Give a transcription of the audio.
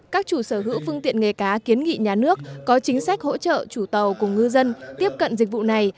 các chủ sở hữu phương tiện nghề cá kiến nghị nhà nước có chính sách hỗ trợ chủ tàu cùng ngư dân tiếp cận dịch vụ này